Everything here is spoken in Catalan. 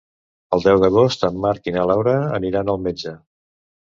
El deu d'agost en Marc i na Laura aniran al metge.